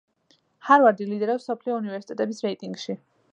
ჰარვარდი ლიდერობს მსოფლიო უნივერსიტეტების რეიტინგში.